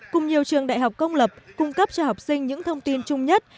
cùng nhiều trường đại học công lập cung cấp cho học sinh những thông tin chung nhất